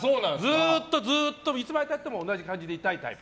ずっといつまで経っても同じ感じでいたいタイプ。